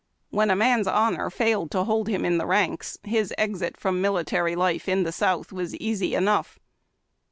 When a man's honor failed to hold him in the ranks, his exit from military life in the South was easy enough.